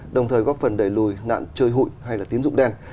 đồng thời góp phần đẩy lùi nạn chơi hụi hay tiến dụng đen